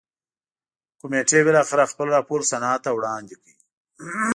کمېټې بالاخره خپل راپور سنا ته وړاندې کړ.